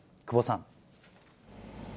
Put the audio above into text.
久保さん。